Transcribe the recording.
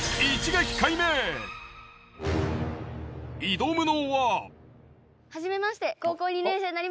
挑むのははじめまして。